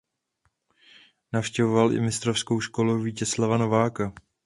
Navštěvoval i mistrovskou školu Vítězslava Nováka.